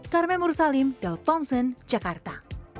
carmen mursalim del thompson jakarta